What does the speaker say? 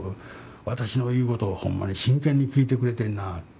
私の言うことをほんまに真剣に聞いてくれてんなあ。